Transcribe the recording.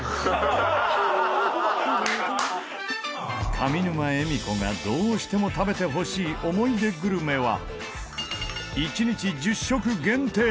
上沼恵美子がどうしても食べてほしい思い出グルメは１日１０食限定！